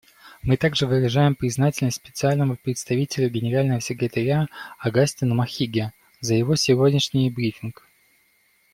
Мы также выражаем признательность Специальному представителю Генерального секретаря Огастину Махиге за его сегодняшний брифинг.